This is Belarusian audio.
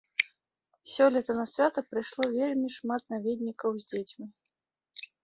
Сёлета на свята прыйшло вельмі шмат наведнікаў з дзецьмі.